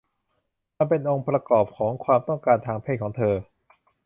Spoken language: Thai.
มันเป็นองค์ประกอบของความต้องการทางเพศของเธอ